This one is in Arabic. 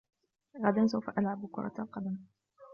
غدا سوف ألعب كرة القدم.